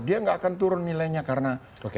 dia nggak akan turun nilainya karena